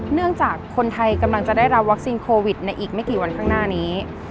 เนื่องจากคนไทยกำลังจะได้รับวัคซีนโควิดในอีกไม่กี่วันข้างหน้านี้